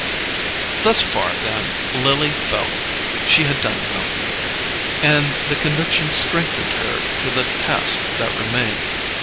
Thus far, then, Lily felt that she had done well; and the conviction strengthened her for the task that remained.